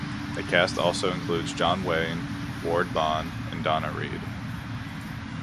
The cast also includes John Wayne, Ward Bond, and Donna Reed.